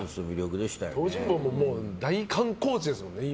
東尋坊も大観光地ですもんね